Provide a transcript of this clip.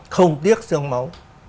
không tiếc sương máu